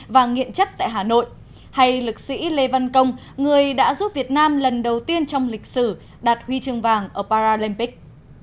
và nghiện chất tại hà nội hay lịch sĩ lê văn công người đã giúp việt nam lần đầu tiên trong lịch sử đạt huy chương vàng ở paralympic